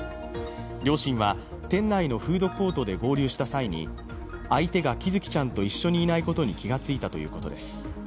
両親は店内のフードコートで合流した際に相手が喜寿生ちゃんと一緒にいないことに気がついたということです。